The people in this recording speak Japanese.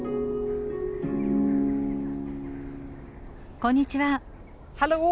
こんにちは。